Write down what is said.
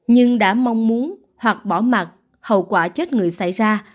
nhưng đã mong muốn hoặc bỏ mặt hậu quả chết người xảy ra